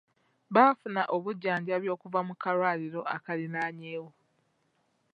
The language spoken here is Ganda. Baafuna obujjanjabi okuva mu kalwaliro akaliraanyeewo.